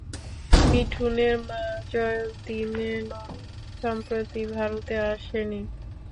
মিঠুনের মা জয়ন্তী মেনন সম্প্রতি ভারতে আসেনি।